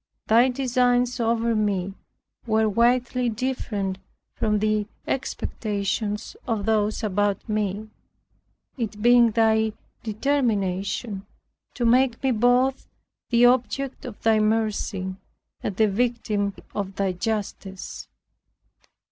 Thy designs over me were widely different from the expectations of those about me; it being Thy determination to make me both the object of Thy mercy and the victim of Thy justice.